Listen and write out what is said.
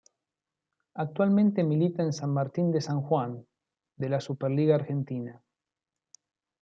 Actualmente milita en San Martín de San Juan de la Superliga Argentina.